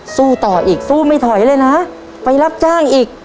สู้ต่ออีกสู้ไม่ถอยเลยนะไปรับจ้างอีก